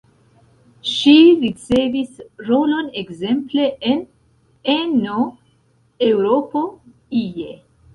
Ŝi ricevis rolon ekzemple en En Eŭropo ie.